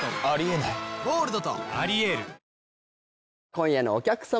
今夜のお客様